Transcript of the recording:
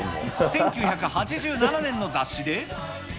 １９８７年の雑誌で。